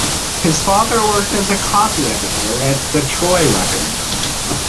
His father worked as a copy editor at "The Troy Record".